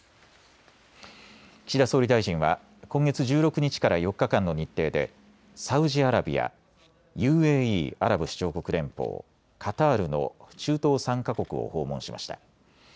岸田総理大臣は今月１６日から４日間の日程でサウジアラビア、ＵＡＥ・アラブ首長国連邦、カタールの中東３か国を訪問しました。